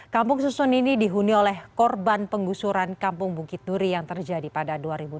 kampung susun ini dihuni oleh korban penggusuran kampung bukit duri yang terjadi pada dua ribu dua belas